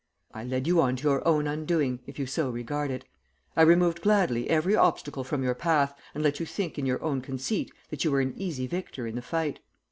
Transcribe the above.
I led you on to your own undoing if you so regard it. I removed gladly every obstacle from your path, and let you think in your own conceit that you were an easy victor in the fight.